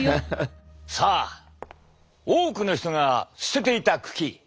さあ多くの人が捨てていた茎。